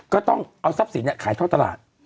ก็ต้องเอาทรัพย์สินขายท่อตลาด